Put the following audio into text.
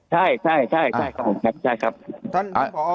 ใช่ใช่ครับครับ